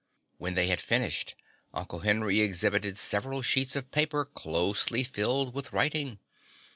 When they had finished, Uncle Henry exhibited several sheets of paper closely filled with writing.